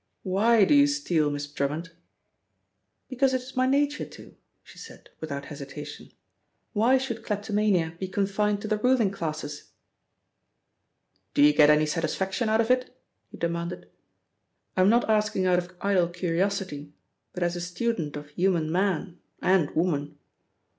"Why do you steal, Miss Drummond?" "Because it is my nature to," she said without hesitation. "Why should kleptomania be confined to the ruling classes?" "Do you get any satisfaction out of it?" he demanded. "I'm not asking out of idle curiosity, but as a student of human man and woman."